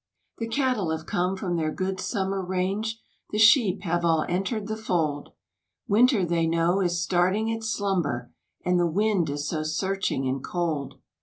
The cattle have come from their good summer range, The sheep have all entered the fold, Winter, they know, is starting its slumber, And the wind is so searching and cold.